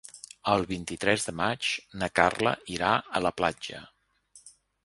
El vint-i-tres de maig na Carla irà a la platja.